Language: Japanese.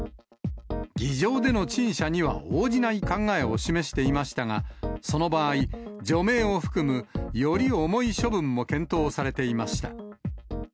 議場での陳謝には応じない考えを示していましたが、その場合、除名を含む、より重い処分も検討されていました。